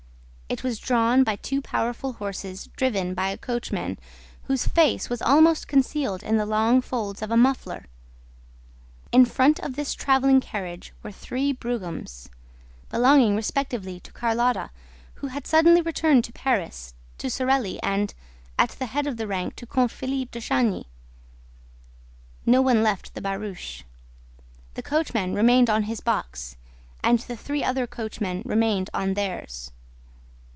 It was drawn by two powerful horses driven by a coachman whose face was almost concealed in the long folds of a muffler. In front of this traveling carriage were three broughams, belonging respectively to Carlotta, who had suddenly returned to Paris, to Sorelli and, at the head of the rank, to Comte Philippe de Chagny. No one left the barouche. The coachman remained on his box, and the three other coachmen remained on theirs.